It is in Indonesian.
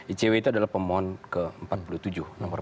icw itu adalah pemohon ke empat puluh tujuh nomor empat puluh tujuh